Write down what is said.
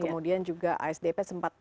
kemudian juga asdp sempat